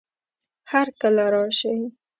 هرکله راشئ!